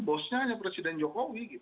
bosnya hanya presiden jokowi